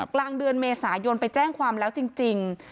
กลางเดือนเมษายนไปแจ้งความแล้วจริง